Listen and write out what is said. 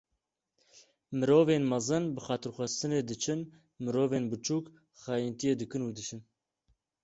Mirovên mezin bi xatirxwestinê diçin, mirovên biçûk xayintiyê dikin û diçin.